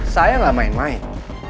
saya enggak main main